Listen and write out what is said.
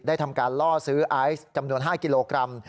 ทำการล่อซื้อไอซ์จำนวน๕กิโลกรัม